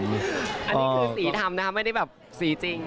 อันนี้คือสีทำนะคะไม่ได้แบบสีจริง